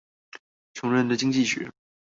窮人的經濟學